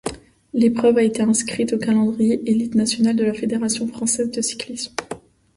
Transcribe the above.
L'épreuve a été inscrite au calendrier élite nationale de la Fédération française de cyclisme.